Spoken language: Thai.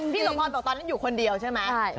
พี่หลบมองตอนนั้นอยู่คนเดียวใช่มั้ย